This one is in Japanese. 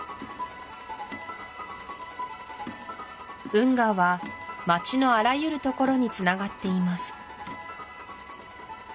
運河は街のあらゆるところにつながっています